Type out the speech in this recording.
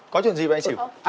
có chuyện gì vậy anh sỉu